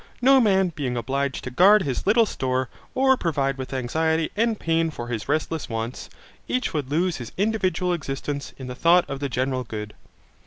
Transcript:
No man being obliged to guard his little store or provide with anxiety and pain for his restless wants, each would lose his individual existence in the thought of the general good.